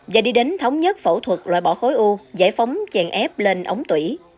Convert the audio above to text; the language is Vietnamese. và đi đến thống nhất phẫu thuật loại bỏ khối u giải phóng chèn ép lên ống tủy